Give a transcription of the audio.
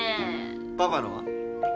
パパのは？